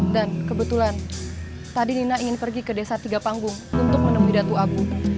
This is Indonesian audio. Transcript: dan kebetulan tadi nina ingin pergi ke desa tiga panggung untuk menemui datu abu